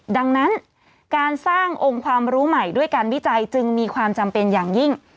ดังนั้นการสร้างองค์ความรู้ใหม่ด้วยการวิจัยจึงมีความจำเป็นอย่างยิ่ง